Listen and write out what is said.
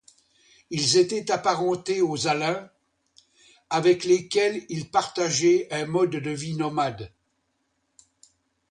Ils étaient apparentés aux Alains, avec lesquels ils partageaient un mode de vie nomade.